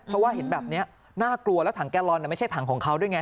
เพราะว่าเห็นแบบนี้น่ากลัวแล้วถังแกลลอนไม่ใช่ถังของเขาด้วยไง